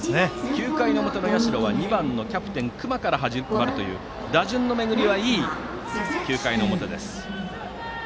９回の表の社は２番のキャプテン、隈から始まるという打順の巡りはいい９回の表です。